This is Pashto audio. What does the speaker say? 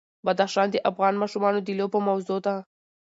بدخشان د افغان ماشومانو د لوبو موضوع ده.